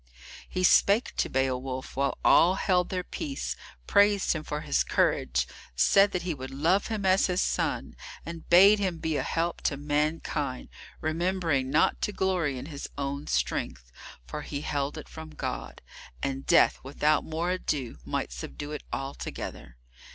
He spake to Beowulf, while all held their peace, praised him for his courage, said that he would love him as his son, and bade him be a help to mankind, remembering not to glory in his own strength, for he held it from God, and death without more ado might subdue it altogether.